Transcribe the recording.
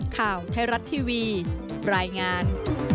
ข่าวไทยรัฐทีวีรายงาน